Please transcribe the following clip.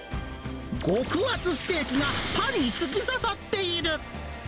極厚ステーキがパンに突き刺さっている。